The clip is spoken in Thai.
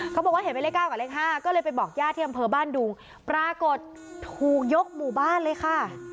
เขาบอกว่าเห็นเป็นเลข๙กับเลข๕ก็เลยไปบอกญาติที่อำเภอบ้านดุงปรากฏถูกยกหมู่บ้านเลยค่ะ